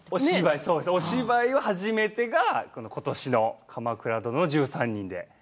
お芝居の初めてが今年の「鎌倉殿の１３人」で。